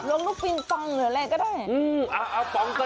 ล้วงลูกปินฟังหรืออะไรก็ได้